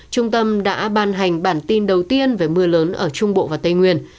trung tâm đã ban hành bản tin đầu tiên về mưa lớn ở trung bộ và tây nguyên